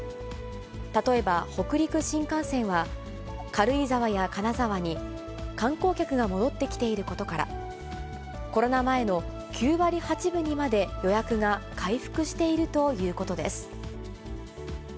例えば北陸新幹線は、軽井沢や金沢に観光客が戻ってきていることから、コロナ前の９割８分にまで予約が回復しているということです。